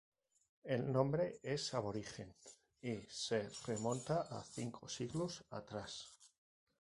El nombre es aborigen, y se remonta a cinco siglos atrás.